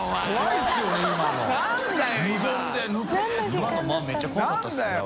今の間めっちゃ怖かったですね。